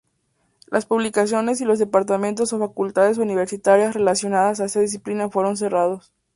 Las publicaciones y los departamentos o facultades universitarias relacionadas a esa disciplina fueron cerrados.